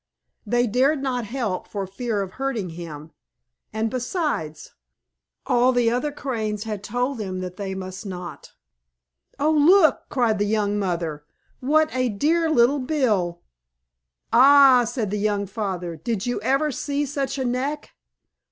They dared not help for fear of hurting him, and besides, all the other Cranes had told them that they must not. "Oh, look!" cried the young mother. "What a dear little bill!" "Ah!" said the young father. "Did you ever see such a neck?"